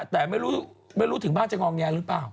แต่ไม่รู้ถึงบ้านจะงองแงหรือเปล่า